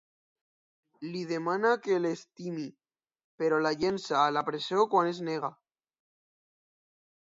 Li demana que l'estimi, però la llença a la presó quan es nega.